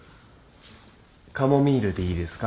カモミールでいいですか？